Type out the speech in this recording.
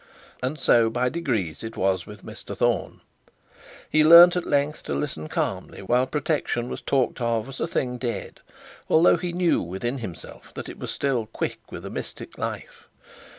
And so by degrees it was with Mr Thorne. He learnt at length to listen calmly while protection was talked of as a thing dead, although he knew within himself that it was still quick with a mystic life.